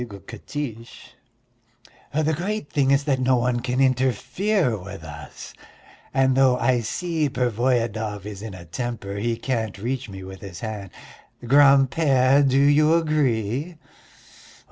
giggled Katiche. "The great thing is that no one can interfere with us, and though I see Pervoyedov is in a temper, he can't reach me with his hand. Grand père, do you agree?"